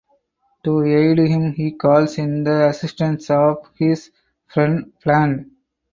To aid him he calls in the assistance of his friend Bland.